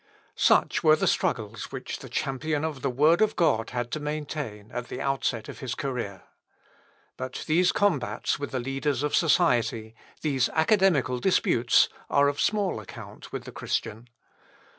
Such were the struggles which the champion of the word of God had to maintain at the outset of his career. But these combats with the leaders of society, these academical disputes, are of small account with the Christian.